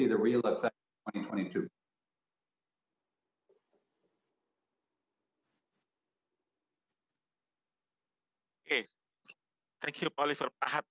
terima kasih pak oliver pak hatip